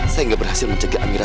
saya gak berhasil menjaga amira